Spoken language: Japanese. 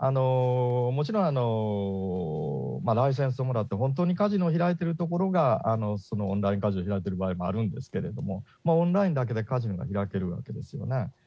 もちろんライセンスをもらって、本当にカジノを開いてるところが、オンラインカジノを開いている場合もあるんですけれども、オンラインだけでカジノが開けるわけですよね。